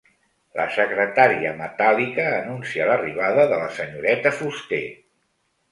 La secretària metàl·lica anuncia l'arribada de la senyoreta Fuster.